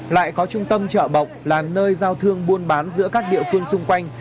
lại có trung tâm chợ bộc là nơi giao thương buôn bán giữa các địa phương xung quanh